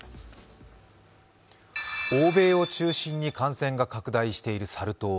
欧米を中心に感染が拡大しているサル痘。